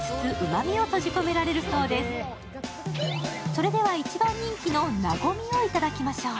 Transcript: それでは一番人気の和みをいただきましょう。